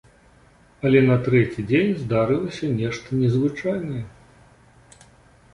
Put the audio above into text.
Але на трэці дзень здарылася нешта незвычайнае.